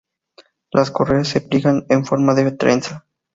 Las correas se pliegan en forma de trenza.